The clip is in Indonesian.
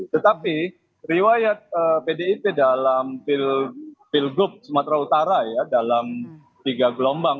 tetapi riwayat pdip dalam pilgub sumatera utara ya dalam tiga gelombang